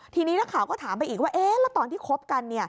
ทีนี้นักข่าวก็ถามไปอีกว่าแล้วตอนที่คบกัน